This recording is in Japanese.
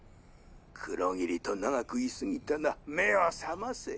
黒霧と長く居すぎたな目を覚ませ。